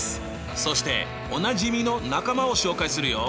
そしておなじみの仲間を紹介するよ。